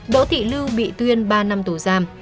đỗ thị lưu bị tuyên ba năm tù giam